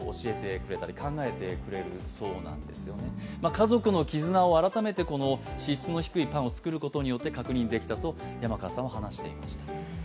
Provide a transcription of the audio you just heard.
家族の絆を改めて脂質の低いパンを作ることで確認できたと山川さんは話していました。